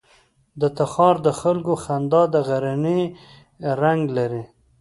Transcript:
د تخار د خلکو خندا د غرنی رنګ لري.